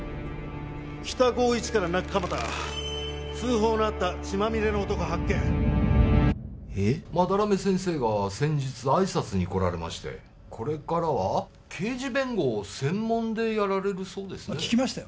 北５１から中蒲田通報のあった血まみれの男発見斑目先生が先日挨拶に来られましてこれからは刑事弁護を専門でやられるそうですね聞きましたよ